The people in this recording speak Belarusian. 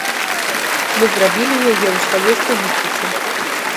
Мы зрабілі яе ў сваёй стылістыцы.